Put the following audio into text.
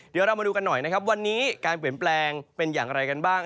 เดี๋ยวเรามาดูกันหน่อยนะครับวันนี้การเปลี่ยนแปลงเป็นอย่างไรกันบ้าง